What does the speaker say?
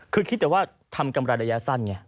คือคิดแต่ว่าทำกำไรระยะสั้นไง